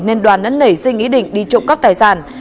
nên đoàn đã nảy sinh ý định đi trộn các tài sản